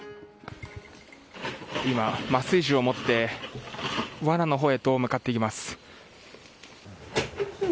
今、麻酔銃を持ってわなのほうへと向かっていきます。